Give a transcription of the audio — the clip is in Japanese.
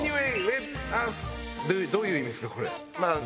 どういう意味ですか？